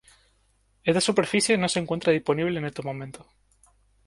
Esta superficie no se encuentra disponible en estos momentos.